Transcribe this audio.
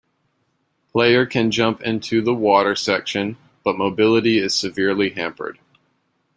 Player can jump into the water section, but mobility is severely hampered.